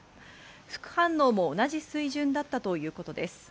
副反応も同じ水準だったということです。